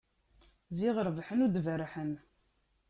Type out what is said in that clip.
Ziɣ rebḥen ur d-berrḥen.